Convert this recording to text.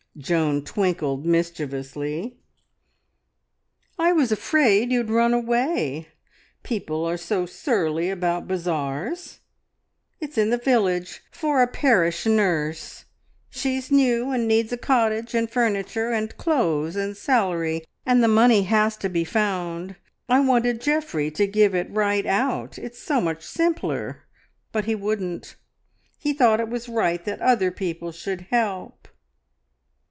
Joan twinkled mischievously. "I was afraid you would run away. People are so surly about bazaars. It's in the village; for a parish nurse. She's new, and needs a cottage and furniture, and clothes and salary, and the money has to be found. I wanted Geoffrey to give it right out, it's so much simpler, but he wouldn't. He thought it was right that other people should help."